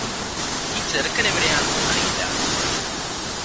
ഈ ചെറുക്കനെവിടെയാണെന്ന് അറിയില്ലാ